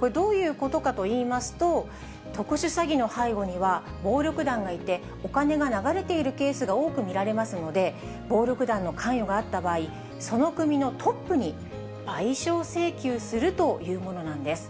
これ、どういうことかといいますと、特殊詐欺の背後には暴力団がいて、お金が流れているケースが多く見られますので、暴力団の関与があった場合、その組のトップに賠償請求するというものなんです。